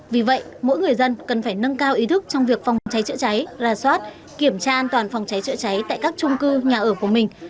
vì vậy mỗi người dân cần phải nâng cao ý thức trong việc phòng cháy chữa cháy ra soát kiểm tra an toàn phòng cháy chữa cháy tại các trung cư nhà ở của mình